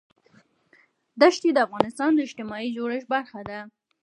دښتې د افغانستان د اجتماعي جوړښت برخه ده.